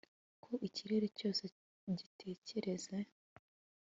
Ko ikirere cyose gitekereza